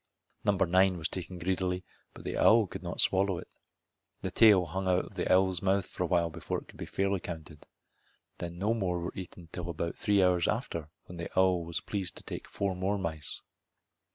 Number nine was taken greedily, but the owl could not swallow it. The tail hung out of the owl's mouth for awhile before it could be fairly counted. Then no more were eaten till about three hours after, when the owl was pleased to take four more mice.